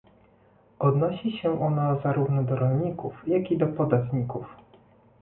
Odnosi się ono zarówno do rolników, jak i do podatników